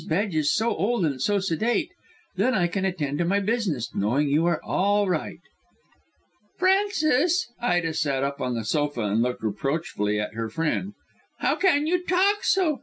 Bedge is so old and so sedate. Then I can attend to my business, knowing you are all right." "Frances," Ida sat up on the sofa and looked reproachfully at her friend, "how can you talk so?